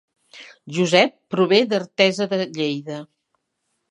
Josep prové d'Artesa de Lleida